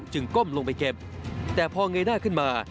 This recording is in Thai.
ก้มลงไปเก็บแต่พอเงยหน้าขึ้นมา